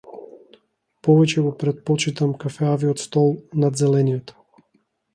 Повеќе го претпочитам кафеавиот стол над зелениот.